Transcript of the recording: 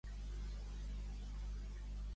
Què ha afirmat, Bosch?